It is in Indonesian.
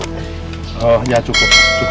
oh ya cukup